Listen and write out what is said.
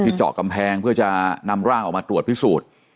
เจาะกำแพงเพื่อจะนำร่างออกมาตรวจพิสูจน์